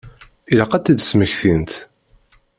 Ilaq ad tt-id-smektint.